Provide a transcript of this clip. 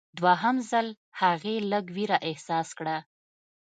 دوهم ځل هغې لږ ویره احساس کړه.